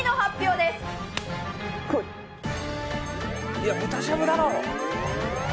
いや豚しゃぶだろう。